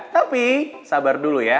tapi sabar dulu ya